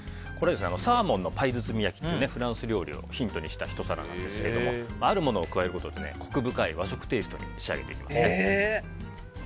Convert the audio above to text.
サーモンのパイ包み焼きってフランス料理をもとにしたひと皿なんですがあるものを加えることでコク深い和食テイストに仕上げていきます。